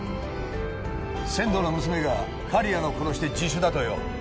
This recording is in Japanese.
千堂の娘が刈谷の殺しで自首だとよ。